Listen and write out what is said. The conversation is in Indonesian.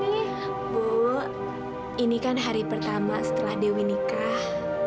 ibu ini kan hari pertama setelah dewi nikah